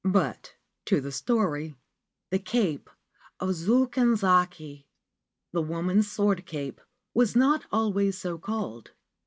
But to the story. The Cape of Joken Zaki (the Woman's Sword Cape) was not always so called.